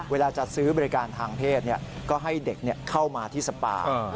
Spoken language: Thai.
เวลาจะซื้อบริการทางเพศก็ให้เด็กเข้ามาที่สปา